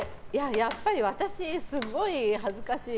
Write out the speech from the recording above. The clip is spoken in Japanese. やっぱり私、すごい恥ずかしい。